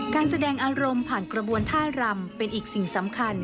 การแสดงอารมณ์ผ่านกระบวนท่ารำเป็นอีกสิ่งสำคัญ